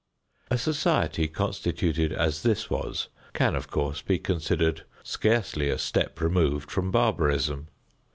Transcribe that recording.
A society constituted as this was can, of course, be considered scarcely a step removed from barbarism.